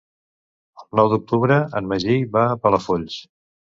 El nou d'octubre en Magí va a Palafolls.